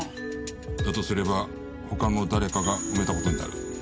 だとすれば他の誰かが埋めた事になる。